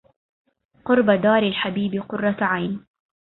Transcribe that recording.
قرب دار الحبيب قرة عين